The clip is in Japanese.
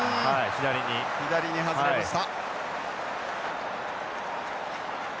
左に外れました。